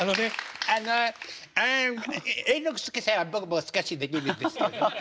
あの永六輔さんは僕も少しできるんですけど。